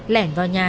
lẻn vào nhà